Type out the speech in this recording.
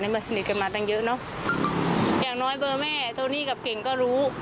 เบอร์สนิทกันมาตั้งเยอะเนอะอย่างน้อยเบอร์แม่โทนี่กับเก่งก็รู้